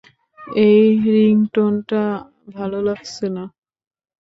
এই রিংটোনটা ভালো লাগছে না।